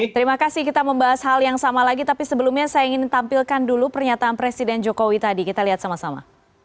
terima kasih kita membahas hal yang sama lagi tapi sebelumnya saya ingin tampilkan dulu pernyataan presiden jokowi tadi kita lihat sama sama